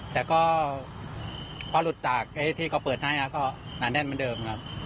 แต่ก็พอหลุดจากที่เขาเปิดให้ก็หนาแน่นเหมือนเดิมครับ